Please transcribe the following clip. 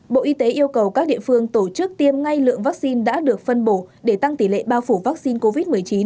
bộ y tế yêu cầu các địa phương tổ chức tiêm ngay lượng vaccine đã được phân bổ để tăng tỷ lệ bao phủ vaccine covid một mươi chín